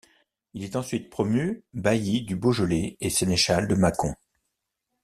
Il est ensuite promu bailli du beaujolais et sénéchal de Mâcon.